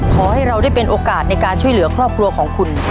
ขอให้เราได้เป็นโอกาสในการช่วยเหลือครอบครัวของคุณ